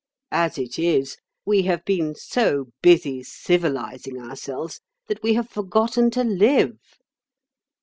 As it is, we have been so busy 'civilising' ourselves that we have forgotten to live.